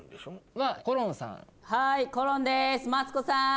マツコさん！